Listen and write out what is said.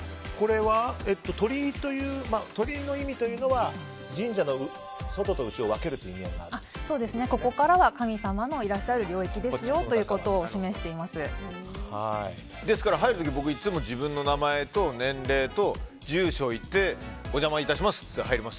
鳥居の意味というのは神社の外と内を分けるというここからは神様のいらっしゃる領域ですよということをですから、入る時僕、いつも自分の名前と年齢と住所を言ってお邪魔いたしますって言って入ります。